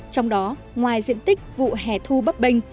trong đó ngoài diện tích vụ hẻ thu bấp bình